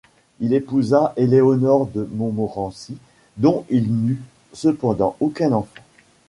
Il épousa Éléonore de Montmorency, dont il n'eut cependant aucun enfant.